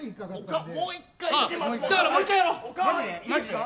だから、もう１回やろう。